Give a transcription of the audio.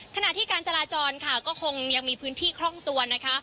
ขณะที่การจราจรค่ะก็คงยังมีพื้นที่คล่องตัวนะคะ